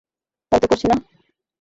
তাইতো করছি না?